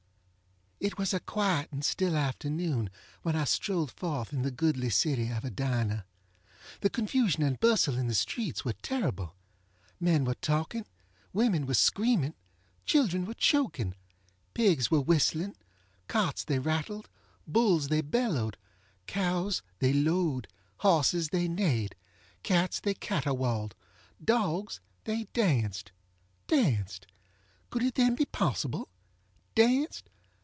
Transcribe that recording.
It was a quiet and still afternoon when I strolled forth in the goodly city of Edina. The confusion and bustle in the streets were terrible. Men were talking. Women were screaming. Children were choking. Pigs were whistling. Carts they rattled. Bulls they bellowed. Cows they lowed. Horses they neighed. Cats they caterwauled. Dogs they danced. Danced! Could it then be possible? Danced!